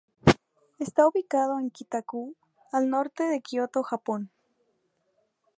Está ubicado en Kita-ku, al norte de Kioto, Japón.